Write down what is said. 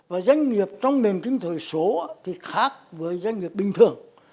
và doanh nghiệp trong nền kinh tế số thì khác với doanh nghiệp bình thường